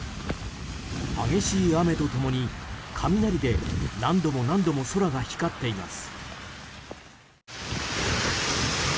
激しい雨と共に雷で何度も何度も空が光っています。